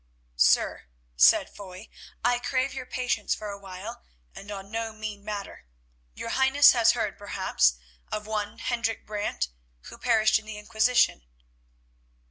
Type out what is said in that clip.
"Sir," said Foy, "I crave your patience for a while, and on no mean matter. Your Highness has heard, perhaps, of one Hendrik Brant, who perished in the Inquisition."